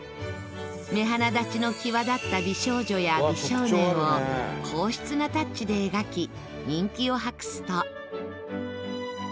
目鼻立ちの際立った美少女や美少年を硬質なタッチで描き人気を博すと。